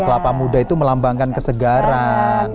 kelapa muda itu melambangkan kesegaran